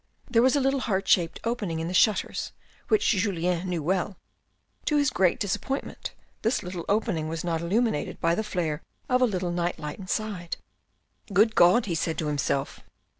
There was a little heart shaped opening in the shutters which Julien knew well. To his great disappoint ment, this little opening was not illuminated by the flare of a little night light inside. "Good God," he said to himself.